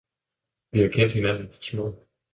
Vi har kendt hinanden fra små.